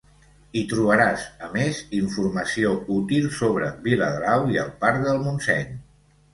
Hi trobaràs, a més, informació útil sobre Viladrau i el Parc del Montseny.